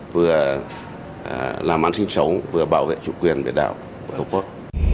vừa làm ăn sinh sống vừa bảo vệ chủ quyền về đạo của tổ quốc